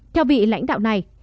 theo vị lãnh đạo này